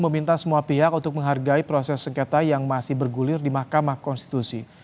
menanggulir di mahkamah konstitusi